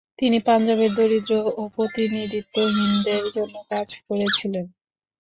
তিনি পাঞ্জাবের দরিদ্র এবং প্রতিনিধিত্বহীনদের জন্য কাজ করেছিলেন।